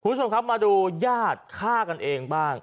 คุณผู้ชมครับมาดูญาติฆ่ากันเองบ้าง